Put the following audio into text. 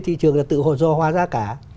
thị trường là tự do hóa giá cả